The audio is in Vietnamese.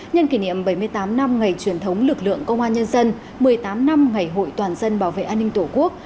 nhân kỷ niệm bảy mươi tám năm ngày truyền thống lực lượng công an nhân dân một mươi tám năm ngày hội toàn dân bảo vệ an ninh tổ quốc